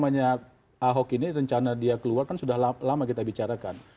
namanya ahok ini rencana dia keluar kan sudah lama kita bicarakan